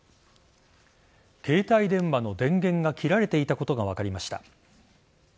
携帯電話の電源が切られていたことが分かりました。